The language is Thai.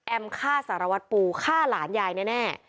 ฆ่าสารวัตรปูฆ่าหลานยายแน่